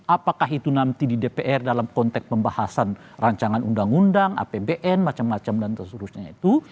apakah itu nanti di dpr dalam konteks pembahasan rancangan undang undang apbn macam macam dan seterusnya itu